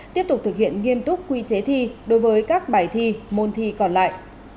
tiếp tục thực hiện nghiêm túc quy chế thi đối với các bài thi môn thi còn lại